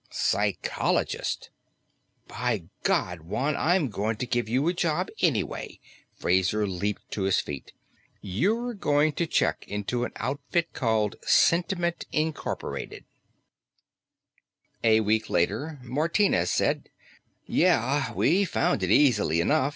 Psychologist! "By God, Juan, I'm going to give you a job anyway!" Fraser leaped to his feet. "You're going to check into an outfit called Sentiment, Inc." A week later, Martinez said, "Yeah, we found it easily enough.